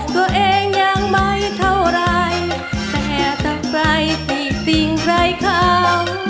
ตัวเองยังไม่เท่าไรแต่ถ้าใครตีติ่งใครเขา